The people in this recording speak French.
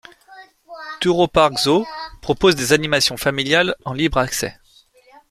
Touroparc Zoo propose des animations familiales en libre accès.